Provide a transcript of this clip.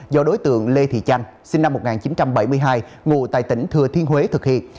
do đối tượng lê thị chanh sinh năm một nghìn chín trăm bảy mươi hai ngụ tại tỉnh thừa thiên huế thực hiện